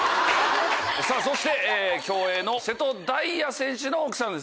さぁそして競泳の瀬戸大也選手の奥さんですね。